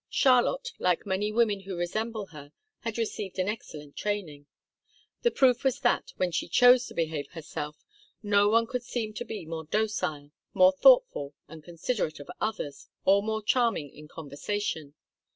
Charlotte, like many women who resemble her, had received an excellent training. The proof was that, when she chose to behave herself, no one could seem to be more docile, more thoughtful and considerate of others or more charming in conversation.